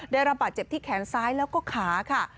ได้รับบาดเจ็บที่แขนซ้ายแล้วก็ขาค่ะ